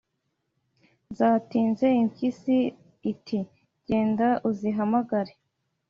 zatinze.» impyisi iti «genda uzihamagare,